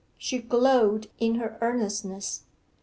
She glowed in her earnestness.